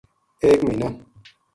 ایک مہینہ